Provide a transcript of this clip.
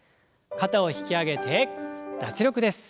肩を引き上げて脱力です。